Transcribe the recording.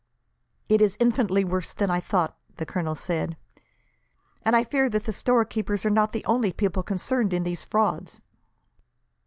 "It is infinitely worse than I thought," the colonel said, "and I fear that the storekeepers are not the only people concerned in these frauds."